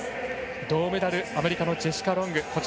銅メダル、アメリカのジェシカ・ロング。